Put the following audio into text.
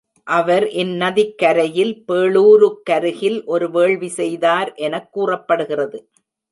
அவர் இந் நதிக் கரையில் பேளூருக்கருகில் ஒரு வேள்வி செய்தார் எனக் கூறப்படுகிறது.